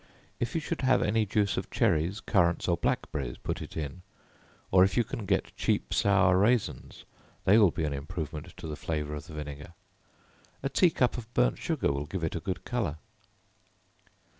If you should have any juice of cherries, currants, or blackberries, put it in, or if you can get cheap sour raisins, they will be an improvement to the flavor of the vinegar; a tea cup of burnt sugar will give it a good color.